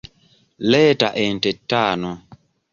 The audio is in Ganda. Leeta ente ttaano.